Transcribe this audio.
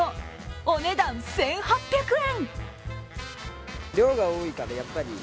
お値段１８００円！